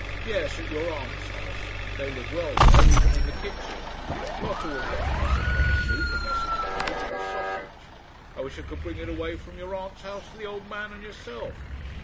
"Yes; at your aunt's house. They live well there, even in the kitchen. Lotta will have for me some hot soup, a mess of cabbage, and a sausage. I wish I could bring it away from your aunt's house to the old man and yourself."